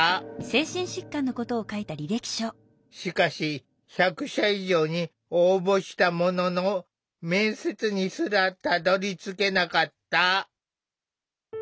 しかし１００社以上に応募したものの面接にすらたどりつけなかった。